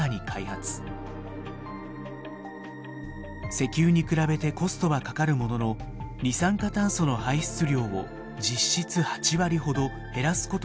石油に比べてコストはかかるものの二酸化炭素の排出量を実質８割ほど減らすことができるといいます。